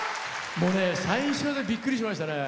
もうね、最初びっくりしましたね。